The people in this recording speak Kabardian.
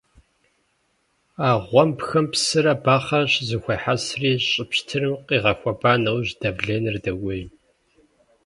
А гъуэмбхэм псырэ бахъэрэ щызэхуехьэсри, щӀы пщтырым къигъэхуэба нэужь, давленэр докӀуей.